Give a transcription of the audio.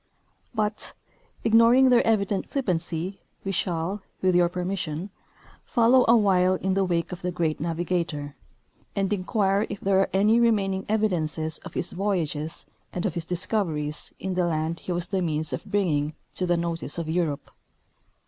But, ignoring their evident flij^pancy, we shall, with your per mission, follow awhile in the wake of the great navigator, and inquire if there are any remaining evidences of his voyages and of his discoveries in the land he was the means of bringing to the notice of Europe.